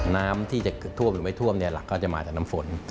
น้ำที่จะท่วมหรือไม่ท่วมเนี่ยหลักก็จะมาจากน้ำฝน